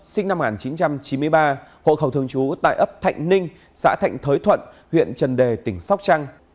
xã thạnh thới thuận huyện trần đề tỉnh sóc trăng